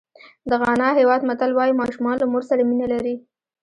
د غانا هېواد متل وایي ماشومان له مور سره مینه لري.